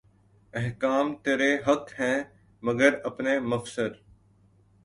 احکام ترے حق ہیں مگر اپنے مفسر